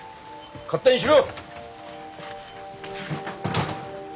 勝手にしろ！